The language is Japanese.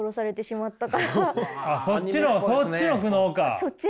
そっちの。